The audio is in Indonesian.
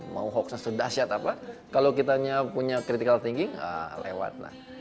mau hoax yang sedaset kalau kita punya critical thinking lewat